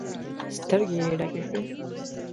سترګې يې ډکې شوې.